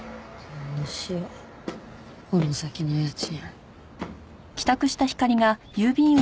どうしようこの先の家賃。